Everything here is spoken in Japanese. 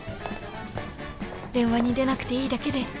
電話に出なくていいだけで